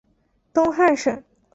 东汉省。